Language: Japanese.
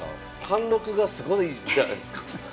貫禄がすごいじゃないですか。